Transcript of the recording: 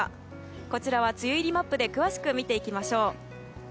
こちらは梅雨入りマップで詳しく見ていきましょう。